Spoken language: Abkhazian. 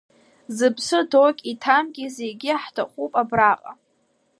Зыԥсы ҭоугь, иҭамгьы, зегь ҳҭахуп, абраҟа.